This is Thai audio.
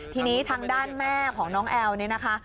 ทีนี้ทางด้านแม่ของน้องแอลเนี่ยนะคะ